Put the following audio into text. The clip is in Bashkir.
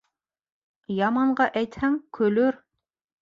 Яманға әйтһәң, көлөр.